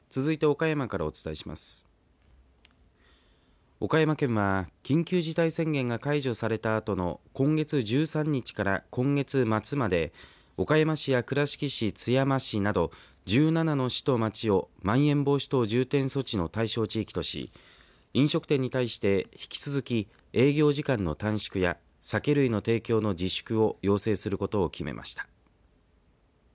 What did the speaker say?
岡山県は緊急事態宣言が解除されたあとの今月１３日から今月末まで岡山市や倉敷市、津山市など１７の市と町をまん延防止等重点措置の対象地域とし飲食店に対して引き続き、営業時間の短縮や酒類の提供の自粛を要請することを決めました。